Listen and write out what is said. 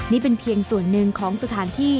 นี่เป็นเพียงส่วนหนึ่งของสถานที่